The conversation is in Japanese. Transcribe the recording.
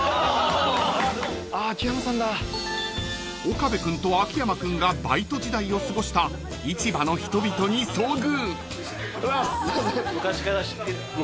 ［岡部君と秋山君がバイト時代を過ごした市場の人々に遭遇］